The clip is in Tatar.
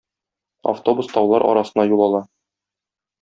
Автобус таулар арасына юл ала.